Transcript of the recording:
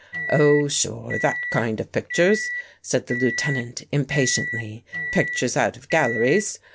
" Oh, sure, that kind of pictures," said the Lieutenant impatiently. " Pictures out of gal leries.